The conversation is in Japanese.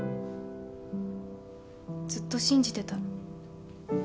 ずっと信じてた。